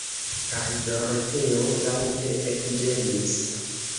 Kaj Doroteo laŭte ekĝemis.